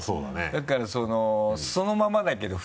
だからそのままだけど。